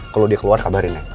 kalo dia keluar kabarin ya